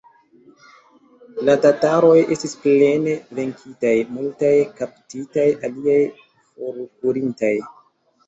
La tataroj estis plene venkitaj, multaj kaptitaj, aliaj forkurintaj.